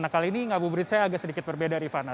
nah kali ini ngabuburit saya agak sedikit berbeda rifana